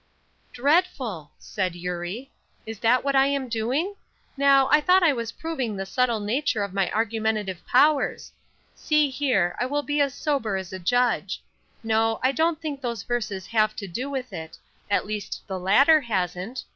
"Dreadful!" said Eurie. "Is that what I'm doing? Now, I thought I was proving the subtle nature of my argumentative powers. See here, I will be as sober as a judge. No, I don't think those verses have to do with it; at least the latter hasn't.